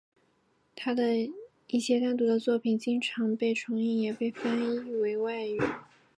他的一些单独的作品经常被重印也被翻译为外语。